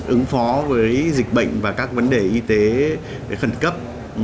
ứng phó với dịch bệnh và các vấn đề y tế khẩn cấp